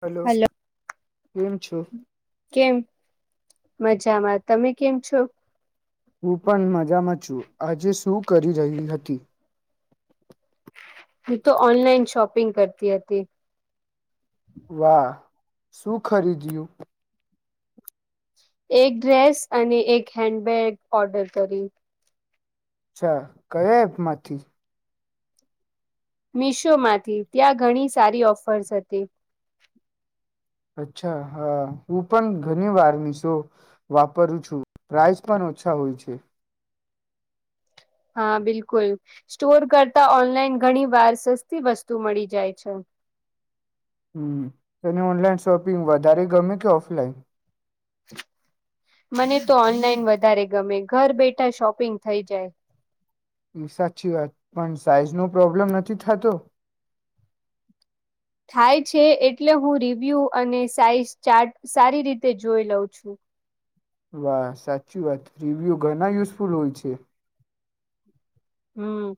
Hello. કેમ છો. કેમ મજામાં તમે કેમ છો. હું પણ મજામાં છું આજે શું કરી રહી હતી. હું તો ઓનલાઈન શોપિંગ કરતી હતી. વાહ શું ખરીદ્યું. એક ડ્રેસ અને એક હેન્ડબેગ ઓર્ડર કરી. અચ્છા કયા એપ માંથી. મિશોમાંથી ત્યાં ઘણી સારી ઓફર્સ હતી. અચ્છા હા હું પણ ઘણી વાર મિશો વાપરું છું પ્રાઇસ પણ ઓછા હોય છે. હા બિલકુલ સ્ટોર કરતા ઓનલાઈન ઘણી વાર સસ્તી વસ્તુ મળી જાય છે. હમ તને ઓનલાઈન શોપિંગ વધારે ગમે કે ઓફલાઈન. મને તો ઓનલાઈન વધારે ગમે ઘર બેઠા શોપિંગ થઈ જાય. સાચી વાત પણ સાઈઝ નો પ્રોબ્લેમ નથી થતો. હાય છે એટલે હું રિવ્યૂ અને સાઈઝ ચાર્ટ સારી રીતે જોઈ લઉં છું. વાહ સાચી વાત રિવ્યુ ઘણા યુઝફુલ હોય છે. હમ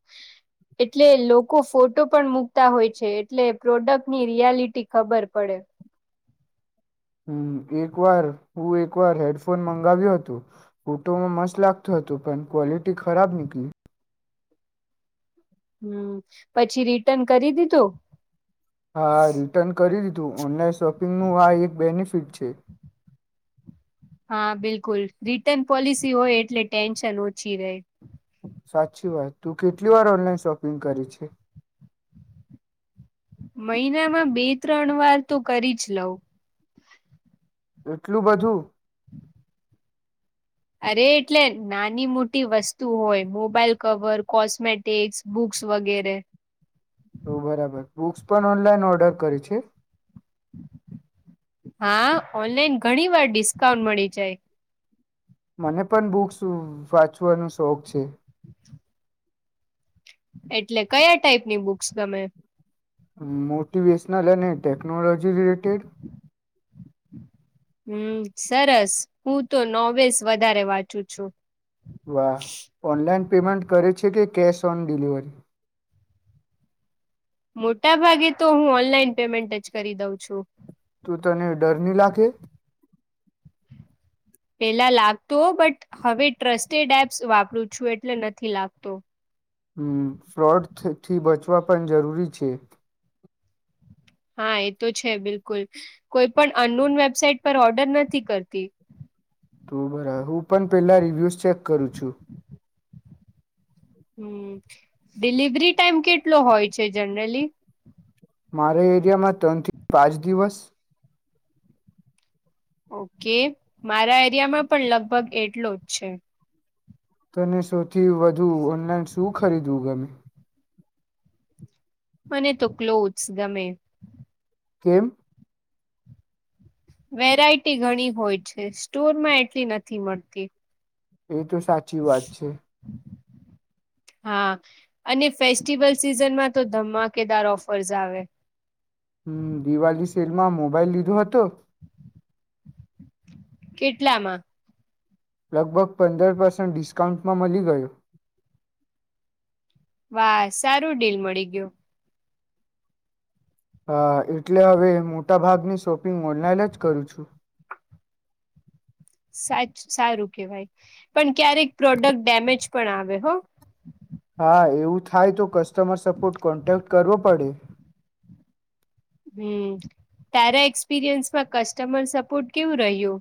એટલે લોકો ફોટો પણ મુૂકતા હોય છે એટલે પ્રોડક્ટની રિયાલિટી ખબર પડે. હમ એક વાર હું એક વાર હેડફોન મંગાવ્યો હતો ફુટોમાં મસ્ત લાગતોું હતો પણ ક્વલિટી ખરાબ નીકલી. હમ પછી રિટર્ન કરી દીધું. હા રિટર્ન કરી દીધું ઓનલાઈન શોપિંગનું આ એક બેનિફિટ છે. હા બિલકુલ રિટર્ન પોલિસી હોય એટલે ટેન્શન ઓછી રહે. સાચી વાત તું કેટલી વાર ઓનલાઈન શોપિંગ કરી છે. મહિનામાં બે ત્રણ વાર તો કરી જ લઉં. એટલું બધું. અરે એટલે નાની મોટી વસ્તુ હોય મોબાઈલ કવર કોસ્મેટિક્સ બુક્સ વગેરે. ઓ બરાબર બુક્સ પણ ઓનલાઈન ઓર્ડર કર છે. હા ઓનલાઈન ઘણી વાર ડિસ્કાઉન્ટ મળી જાય. મને પણ બુક્સ વાંચવાનો શોખ છે. એટલે કયા ટાઈપની બુક્સ તમે. મોટિવેશનલ અને ટેકનોલોજી રિલેટેડ. હમ સરસ હું તો નોવેસ વધારે વાંચું છું. વાહ ઓનલાઈન પેમેન્ટ કરે છે કે કેશ ઓન ડિલિવરી. મોટા ભાગે તો હું ઓનલાઈન પેમેન્ટ જ કરી દઉં છું. તું તને ડર નહી લાગે પેલા લાગતો બટ હવે ટ્રસ્ટેડ એપ્સ વાપરું છું એટલે નથી લાગતો. ફ્રોડથી બચવા પણ જરૂરી છે. હા એ તો છે બિલકુલ કોઈ પણ અનુન વેબસાઇટ પર ઓર્ડર નથી કરતી. તો બરા હું પણ પેલા રિવ્યસ ચેક કરું છું. હમ ડિલિવરી ટાઈમ કેટલો હોય છે જનરલી. મારે એરિયામાં ત્રણ થી પાંચ દિવસ. [inaudible] [inaudible] ઓકે મારા એરિયામાં પણ લગભગ એટલો જ છે. તને સૌથી વધુ અને શું ખરીદવું ગમે. મને તો ક્લોચસ ગમે. કેમ. વેરાયટી ઘણી હોય છે સ્ટોરમાં એટલી નથી મળતી. એ તો સાચી વાત છે. હા અને ફેસ્ટિવલ સીઝનમાં તો ધમાકેદાર ઓફર્સ આવે. હમ્મ દિવાળી સેલ માં મોબાઈલ લીધો હતો કેટલામાં. લગભગ પંદર પર્સેન્ટ ડિસ્કાઉન્ટમાં મળી ગયો. વાહ સારું ડીલ મળી ગયું. હ એટલે હવે મોટા ભાગની શોપિંગ ઓનલાઈન જ કરું છું. સાચ સારું કેવાય પણ ક્યારેક પ્રોડક્ટ ડેમેજ પણ આવે હો. હા એવું થાય તો કશ કસ્ટમર સપોર્ટ કોન્ટેક્ટ કરવો પડે. હમ્મ તારા એક્સપિરિયન્સ માં કસ્ટમર સપોર્ટ કેવું રહીયુ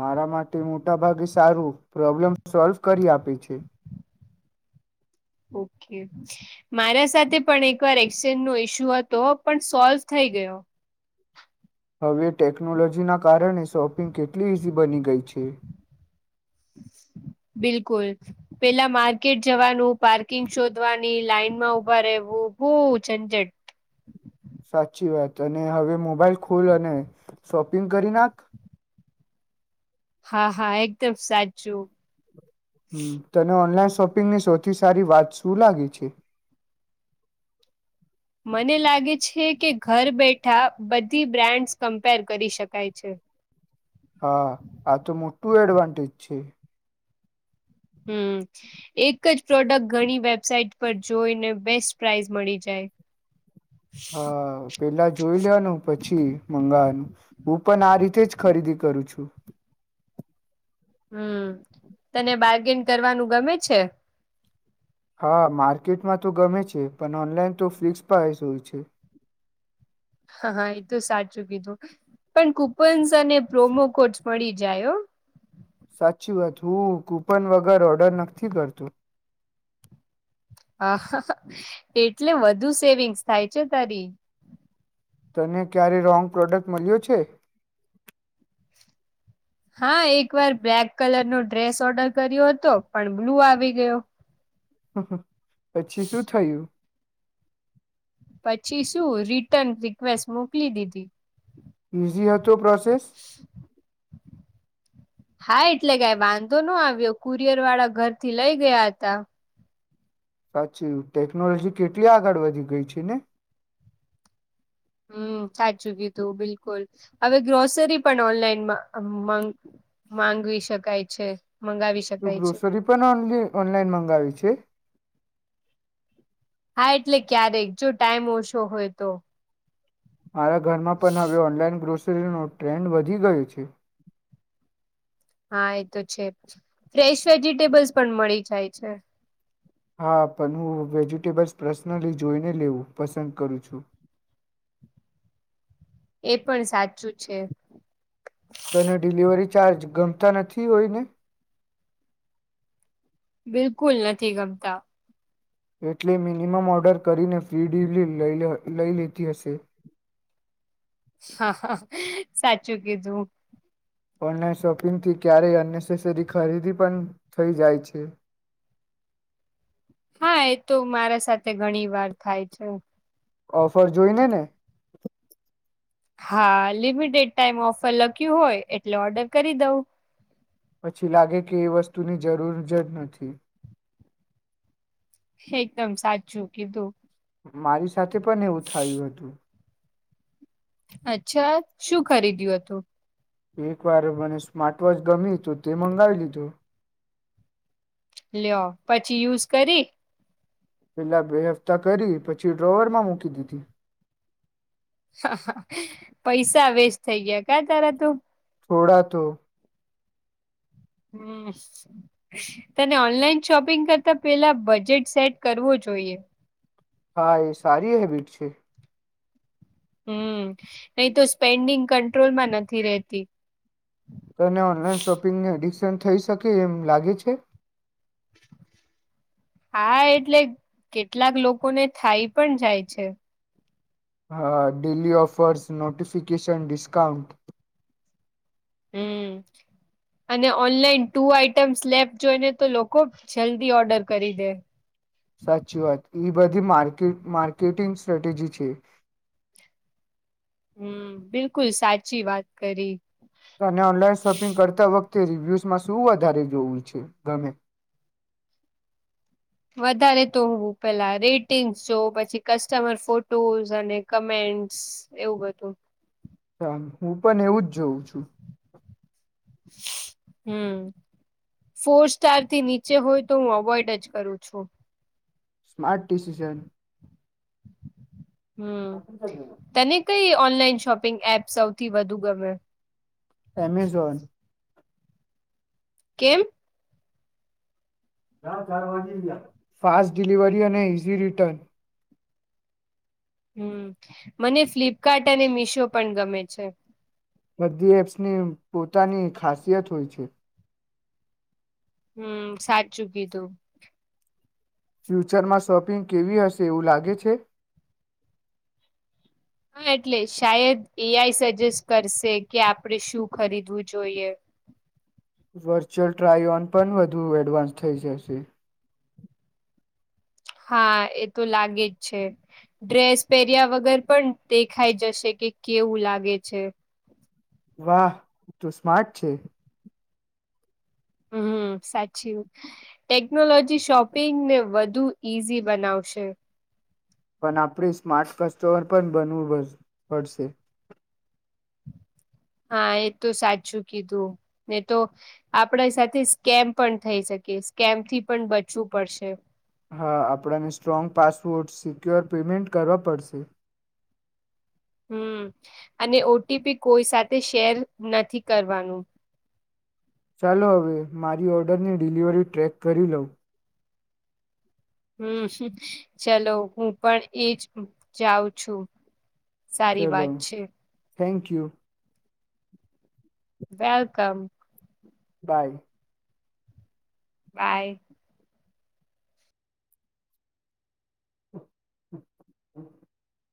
મારા માટે મોટાભાગે સારું પ્રોબ્લેમ સોલ્વ કરી આપે છે. ઓકે મારા સાથે પણ એક વાર એક્સચેન્જ નો ઈસ્યુ હતો પણ સોલ્વ થઈ ગયો. હવે ટેકનોલોજી ના કારણે શોપિંગ કેટલી ઈઝી બની ગઈ છે. બિલકુલ પેલા માર્કેટ જવાનું પાર્કિંગ શોધવાની લાઈન માં ઉભા રહેવું બહ ઝંઝટ. સાચી વાત અને હવે મોબાઈલ. ખુલ અને. શોપિંગ કરી નાખ. હા હા એકદમ સાચું. હ તોને ઓનલાઈન શપિંગની સૌથી સારી વાત શું લાગી છે. મને લાગે છે કે ઘર બેઠા બધી બ્રાન્ડ્સ કમ્પેર કરી શકાય છે. હા આ તો મોટું એડવાન્ટેજ છે. હમ્મ એક જ પ્રોડક્ટ ઘણી વેબસાઈટ પર જોઈને બેસ્ટ પ્રઇઝ મળી જાય. હા પેલા જોઈ લેનું પછી મંગાવવાનું હુ પણ આ રીતે જ ખરીદી કરું છું. હમ્મ તને બારગીન કરવાનું ગમે છે. હા માર્કેટમાં તો ગમે છે પણ ઓનલાઈન તો ફિક્સ પ્રાઇસ હોય છે. હા હા એ તો સાચું કીધું પણ કુપન્સ અને પ્રોમો કોડ મળી જાય. સાચી વાત હું કુપન વગર ઓર્ડર નથી કરતો. હ એટલે વધુ સેવિંગ્સ થાય છે તારી. તને ક્યારે રોંગ પ્રોડક્ટ મળ્યો છે. હા એક વાર બ્લેક કલર નો ડ્રેસ ઓર્ડર કર્યો હતો પણ બ્લુ આવી ગયો. હ હ. પછી શું થયું. પછી શું રિટર્ન રિક્વેસ્ટ મોકલી દીધી. ઈઝી હતો પ્રોસેસ. હા એટલે કઈ વાંધો ન આવ્યો કુરિયર વાળા ઘરથી લઈ ગયા હતા. સાચી ટેકનોલોજી કેટલી આગળ વધી ગઈ છે ને. હમ સાચુ કિધુ બિલકુલ હવે ગ્રોસરી પણ ઓનલાઈન મગ માંગવી શકાય છે. મંગાવી તું શકાય છે ગ્રોસરી પણ ઓન ઓનલાઈન મંગાવી છે. હા એટલે ક્યારેક જો ટાઈમ ઓછો હોય તો મારા ઘરમાં પણ હવે ઓનલાઈન ગ્રોસરીનો ટ્રેન્ડ વધી ગયો છે. હા એ તો છે ફ્રેશ વેજીિટેબલ્સ પણ મળી જાય છે. હા પણ હું વેજિટેબલ્સ પર્સનલી જોઈને લેવું પસંદ કરું છું. એ પણ સાચું છે. તોને ડિલિવરી ચાર્જ ગમતા નથી હોયને. બિલકુલ નથી ગમતા. એટલે મિનિમમ ઓર્ડર કરીને ફ્રી ડડીલરી લઈ લીતી હશે. હા હ સાચું કીધું. ઓનલાઈન શોપિંગથી ક્યારેય અનનેસેસરી ખરીદી પણ થઈ જાય છે. હા એ તો મારા સાથે ઘણી વાર થાય છે. ઓફર જોઈને ને. હા લિમિટેડ ટાઈમ ઓફર લખ્યું હોય એટલે ઓર્ડર કરી દઉં. પછી લાગે કે એ વસ્તુની જરૂર જ જ નથી. એકદમ સાચું કીધું. મારી સાથે પણ એવું થયું હતું. અચ્છા શું ખરીદ્યું હતું. એક વાર મને સ્માર્ટ વોચ ગમ્યું હતું તે મંગાવી લીધું. લ્યો પછી યુઝ કરી. પેલા બે હપ્તા કરી પછી ડ્રોવરમાં મૂકી દીધી. પૈસા વેસ્ટ થઈ ગયા ક્યા તાર તું. થોડા તો. [inaudible] તને ઓનલાઈન શોપિંગ કરતા પેલા બજેટ સેટ કરવો જોઈએ હા એ સારી હેબિટ છે. હમ્ નહી તો સ્પેન્ડિંગ કંટ્રોલ માં નથી રહતી તને ઓનલાઈન શોપિંગની તન થય શકે એમ લાગે છે. હા એટલે કેટલાક લોકોને થાય પણ જાય છે. હા ડેલી ઓફર્સ નોટિફિકેશન ડિસ્કાઉન્ટ હમ્ અને ઓનલાઈન ટુ આઇટમ્સ લેફ્ટ જોઈને તો લોકો જલ્દી ઓર્ડર કરી દે સાચી વાત એ બધી માર્કેટ-માર્કેટિંગ સ્ટ્રેટેજી છે. હમ્ બિલકુલ સાચી વાત કરી અને ઓનલાઈન શોપિંગ કરતા વખતેજ રિવ્યુઝમાં શું વધારે જોવું છે ગમે વધારે તો હું પેલા રેટિંગ્સ જોવ પછી કસ્ટમર ફોટોઝ અને કમેન્ટસ એવું બધું [unintelligible] હું પણ એવું જ જોઉં છું. હમ્ ફોર સ્ટાર થી નીચે હોય તો હું અવોઈડ જ કરું છું. સ્માાર્ટ ડિસિશન હમ તને કઇ ઓનલાઈન શોપિંગ એપ સૌથી વધુ ગમે એમેઝોન કેમ ફાસ્ટ ડિલિવરી અને ઇઝી રિટર્ન હમ મને ફ્લિપકાર્ટ અને મીશો પણ ગમે છે. બધી એપ્સની પોતાની ખાસિયત હોય છે. હમ સાચું કીઘું ફ્યુચરમાં શોપિંગ કેવી હશે એવું લાગે છે. હમ એટલે શાયદ એ આઈ સજેસ્ટ કરશે કે આપણેે શું ખરીદવું જોઈએ વર્ચ્યુઅલ ટ્રાય ઓન પણ વધુ એડવાન્સ થઈ જશે હા એ તો લાગે જ છે ડ્રેસ પહેર્યા વગર પણ દેખાઈ જશે કે કેવું લાગે છે. વાહ તુ સ્માર્ટ છે. હમ સાચું ટેકનોલોજી શોપિંગને વધુ ઈઝી બનાવશે પણ આપણી સ્માર્ટ કસ્ટમર પણ બનવું પડ પડશે હા એ તો સાચું કીધું ને તો આપડે સાથે સ્કેમ પણ થઈ શકે સ્કેમથી પણ બચવું પડશે હા આપણને સ્ટ્રોંગ પાસવોર્ડ સિક્યોર પેમેન્ટ કરવા પડશે હમ અને ઓ ટી પી કોઈ સાથે શેર નથી કરવાનું ચાલો હવે મારી ઓર્ડરની ડિલિવરી ટ્રેક કરી લઉં હમ ચલો હું પણ એજ જાઉં છું. સારી વાત છે. Thank you welcome bye by [inaudible]